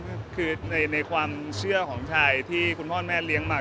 ก็คือในความเชื่อของชายที่คุณพ่อแม่เลี้ยงมา